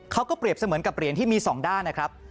เขาก็เปรียบเสมือนกับเปลี่ยนที่มีสองด้านนะครับ